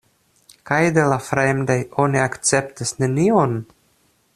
Kaj de la fremdaj oni akceptas nenion?